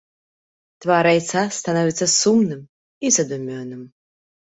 Твар айца становіцца сумным і задумёным.